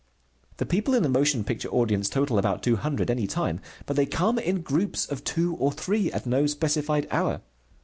The people in the motion picture audience total about two hundred, any time, but they come in groups of two or three at no specified hour.